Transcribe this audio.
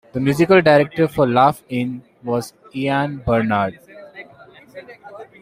The musical director for "Laugh-In" was Ian Bernard.